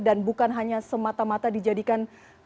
dan bukan hanya semata mata dijadikan kendaraan politik